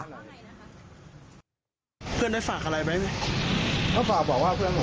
อ๋อนรอว่าแจบแพ้ถูกไหมคะจับแพ้อะพี่แน่นอน๑๐๐